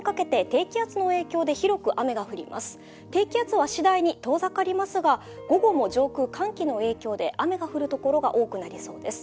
低気圧は次第に遠ざかりますが、午後も上空、寒気の影響で雨の降る所が多くなりそうです。